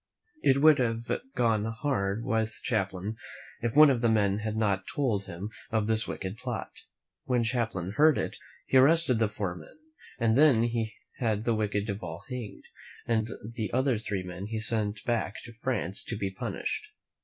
It would have gone hard with Champlain if one of the men had not told him of this wicked plot. When Champlain heard it, he arrested the four men. He then had the wicked Duval hanged, and the other three men he sent back to France to be punished.